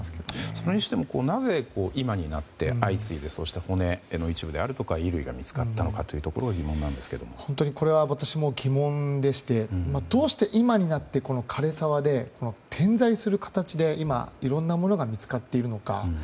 それにしてもなぜ今になって相次いでそうした骨の一部であるとか衣類が見つかったのかが私も疑問でしてどうして今になって枯れ沢で点在する形で今、いろんなものが見つかっているのか。